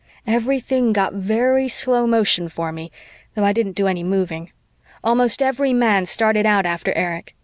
Everything got very slow motion for me, though I didn't do any moving. Almost every man started out after Erich.